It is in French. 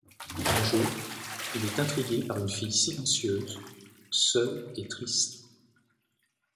Un jour, il est intrigué par une fille silencieuse, seule et triste.